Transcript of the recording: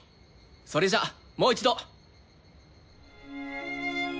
それじゃあもう一度。